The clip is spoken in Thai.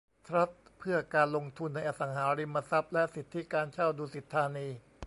ทรัสต์เพื่อการลงทุนในอสังหาริมทรัพย์และสิทธิการเช่าดุสิตธานี